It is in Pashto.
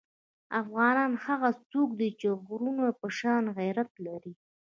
افغان هغه څوک دی چې د غرونو په شان غیرت لري.